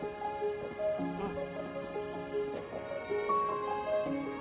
うん。